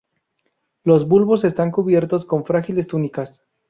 Los bulbos están cubiertos con frágiles túnicas.